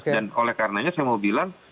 dan oleh karenanya saya mau bilang